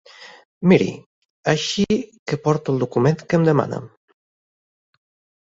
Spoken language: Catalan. Miri, així que porto el document que em demana.